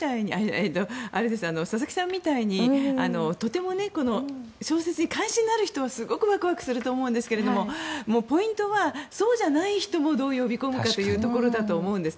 佐々木さんみたいにとても小説に関心のある人はすごくワクワクすると思うんですがポイントはそうじゃない人をどう呼び込むかというところだと思います。